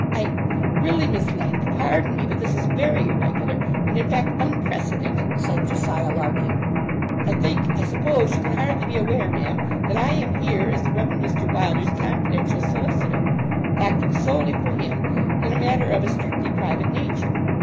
'I really, Miss Lake pardon me, but this is very irregular, and, in fact, unprecedented!' said Jos. Larkin. 'I think I suppose, you can hardly be aware, Ma'am, that I am here as the Rev. Mr. Wylder's confidential solicitor, acting solely for him, in a matter of a strictly private nature.'